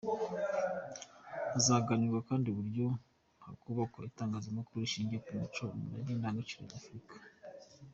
Hazaganirwa kandi uburyo hakubakwa itangazamakuru rishingiye ku muco, umurage n’indangaciro nyafurika.